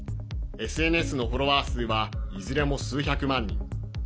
ＳＮＳのフォロワー数はいずれも数百万人。